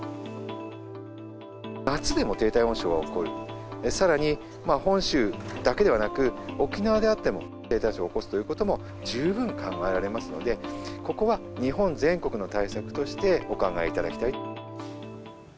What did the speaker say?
夏でも低体温症は起こる、さらに本州だけではなく、沖縄であっても、低体温症を起こすということも十分考えられますので、ここは日本全国の対策としてお考えいただきたい。